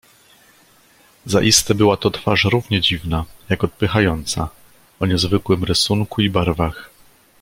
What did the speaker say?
"Zaiste była to twarz równie dziwna, jak odpychająca, o niezwykłym rysunku i barwach."